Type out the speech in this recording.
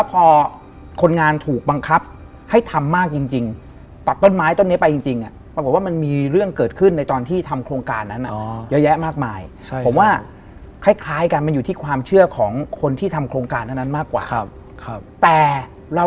ใช่ครับก็เหมือนเวลา